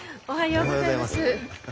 おはようございます。